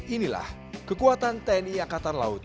inilah kekuatan tni angkatan laut